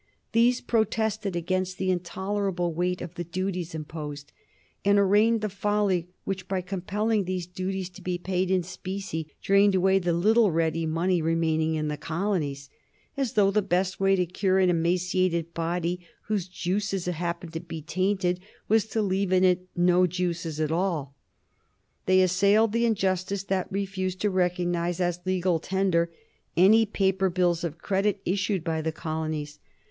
These protested against the intolerable weight of the duties imposed, and arraigned the folly which, by compelling these duties to be paid in specie, drained away the little ready money remaining in the colonies, "as though the best way to cure an emaciated body, whose juices happened to be tainted, was to leave it no juices at all." They assailed the injustice that refused to recognize as legal tender any paper bills of credit issued by the colonies.